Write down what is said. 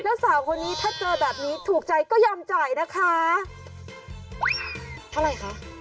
แล้วสาวคนนี้ถ้าเจอแบบนี้ถูกใจก็ยอมจ่ายนะคะเท่าไหร่คะ